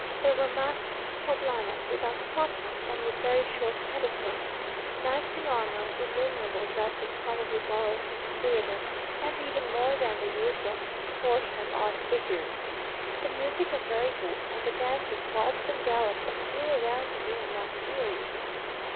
There were masked Poblanas without stockings, and with very short petticoats; knights in armour; innumerable dresses probably borrowed from the theatre, and even more than the usual proportion of odd figures. The music was very good, and the dancers waltzed and galloped, and flew round the room like furies.